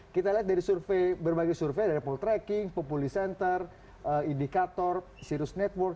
kita lihat dari survei berbagai survei dari poll tracking populi center indikator sirus network